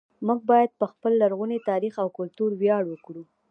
موږ باید په خپل لرغوني تاریخ او کلتور ویاړ وکړو